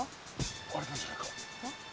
割れたんじゃないか。